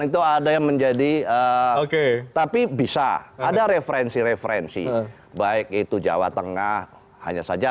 itu ada yang menjadi oke tapi bisa ada referensi referensi baik itu jawa tengah hanya saja